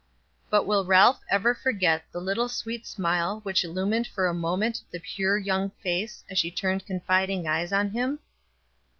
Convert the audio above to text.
But will Ralph ever forget the little sweet smile which illumined for a moment the pure young face, as she turned confiding eyes on him?